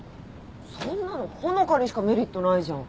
そんなの穂香にしかメリットないじゃん。